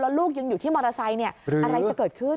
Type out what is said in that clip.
ลูกยังอยู่ที่มอเตอร์ไซค์อะไรจะเกิดขึ้น